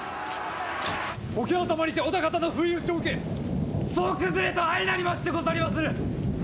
桶狭間にて織田方の不意打ちを受け総崩れと相なりましてござりまする！